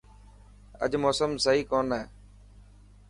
اڄ موسم سهي ڪوني هي.